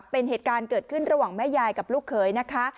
เป็นเหตุการณ์เกิดขึ้นระหว่างแม่ยายกับลูกเขยนะคะ